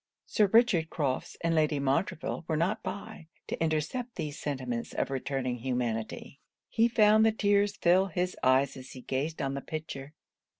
Sir Richard Crofts and Lady Montreville were not by, to intercept these sentiments of returning humanity. He found the tears fill his eyes as he gazed on the picture.